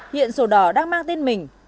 hiện sổ đỏ đang mang tên mình